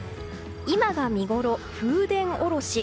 今が見ごろ、風伝おろし。